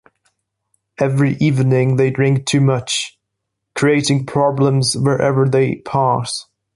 Every evening they drink too much, creating problems wherever they pass.